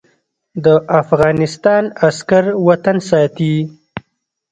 د افغانستان عسکر وطن ساتي